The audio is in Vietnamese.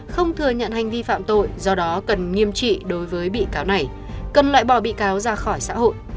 không thừa nhận hành vi phạm tội do đó cần nghiêm trị đối với bị cáo này cần loại bỏ bị cáo ra khỏi xã hội